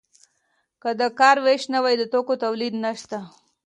که د کار ویش نه وي د توکو تولید نشته.